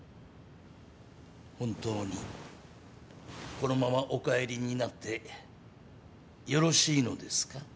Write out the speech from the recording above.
本当にこのままお帰りになってよろしいのですか？